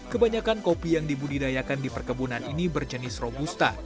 kebanyakan kopi yang dibudidayakan di perkebunan ini berjenis robusta